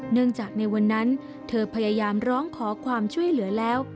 เนื่องจากในวันนั้นเธอพยายามร้องขอความช่วยเหลือแล้ว